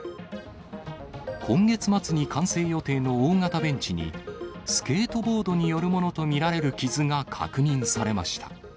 今月末に完成予定の大型ベンチに、スケートボードによるものと見られる傷が確認されました。